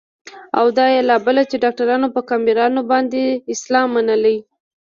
او دا يې لا بله چې ډاکتر پر کافرانو باندې اسلام منلى.